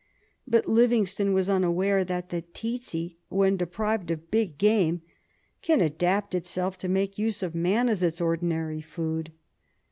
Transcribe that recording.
But Livingstone was unaware that the tsetse, when de prived of big game, can adapt itself to make use of man as its ordinary food.